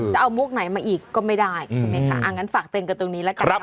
จะเอามุกไหนมาอีกก็ไม่ได้ใช่ไหมคะอ่างั้นฝากเตือนกันตรงนี้แล้วกันนะ